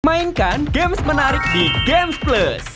mainkan games menarik di gamesplus